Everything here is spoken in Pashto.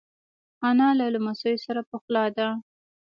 انا له لمسیو سره پخلا ده